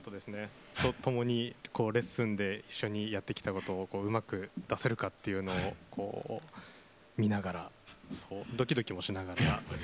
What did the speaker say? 本当にレッスンでやってきたことをうまく出せるかっていうのを見ながらドキドキもしながら。